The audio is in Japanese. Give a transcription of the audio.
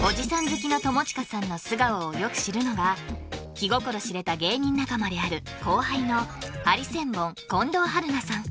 好きの友近さんの素顔をよく知るのが気心知れた芸人仲間である後輩のハリセンボン近藤春菜さん